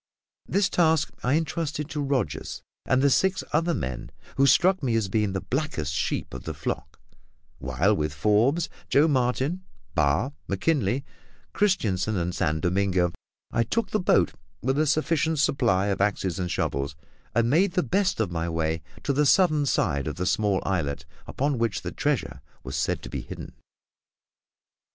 This task I entrusted to Rogers and the six other men, who struck me as being the blackest sheep of the flock; while, with Forbes, Joe Martin, Barr, Mckinley, Christianssen, and San Domingo, I took the boat, with a sufficient supply of axes and shovels, and made the best of my way to the southern side of the small islet upon which the treasure was said to be hidden.